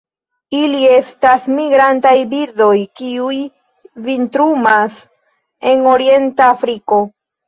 Ili estas migrantaj birdoj, kiuj vintrumas en orienta Afriko.